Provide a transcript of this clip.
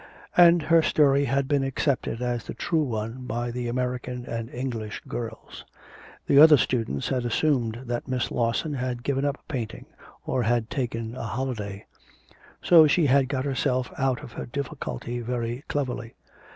And her story had been accepted as the true one by the American and English girls; the other students had assumed that Miss Lawson had given up painting or had taken a holiday. So she had got herself out of her difficulty very cleverly.